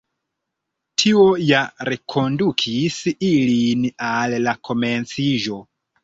Tio ja rekondukis ilin al la komenciĝo.